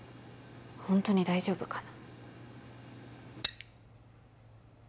ホントに大丈夫かな？